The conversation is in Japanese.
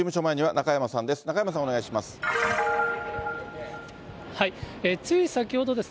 中山さん、お願いします。